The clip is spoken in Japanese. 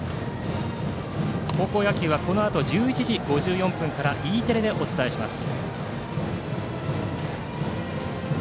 高校野球はこのあと１１時５４分からＥテレでお伝えします。